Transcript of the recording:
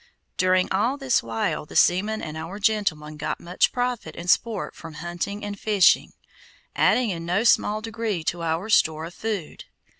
During all this while, the seamen and our gentlemen got much profit and sport from hunting and fishing, adding in no small degree to our store of food.